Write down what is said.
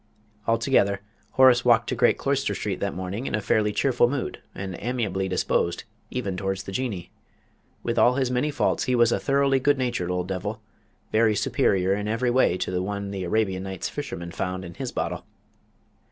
Altogether, Horace walked to Great Cloister Street that morning in a fairly cheerful mood and amiably disposed, even towards the Jinnee. With all his many faults, he was a thoroughly good natured old devil very superior in every way to the one the Arabian Nights fisherman found in his bottle.